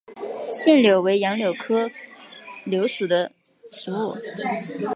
腺柳为杨柳科柳属的植物。